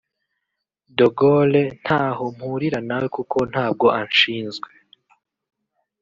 “De Gaulle ntaho mpurira na we kuko ntabwo anshinzwe